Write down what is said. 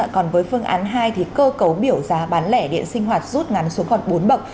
còn với phương án hai thì cơ cấu biểu giá bán lẻ điện sinh hoạt rút ngắn xuống còn bốn bậc